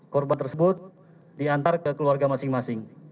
korban tersebut diantar ke keluarga masing masing